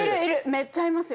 めっちゃいますよ。